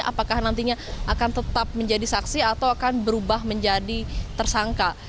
apakah nantinya akan tetap menjadi saksi atau akan berubah menjadi tersangka